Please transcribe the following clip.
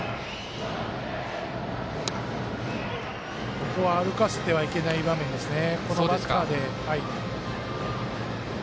ここは歩かせてはいけない場面ですね。